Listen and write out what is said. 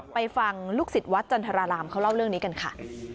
ฟังลูกศิษย์วัดจันทรารามเขาเล่าเรื่องนี้กันค่ะ